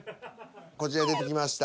こちら出てきました。